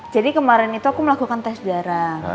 jadi kemarin itu aku melakukan tes darah